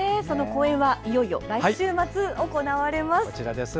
公演はいよいよ来週末行われます。